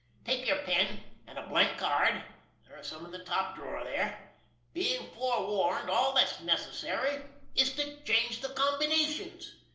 Take your pen, and a blank card—there are some in the top drawer there. Being forewarned, all that's necessary is to change the combinations.